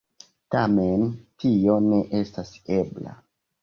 Tamen tio ne estas ebla.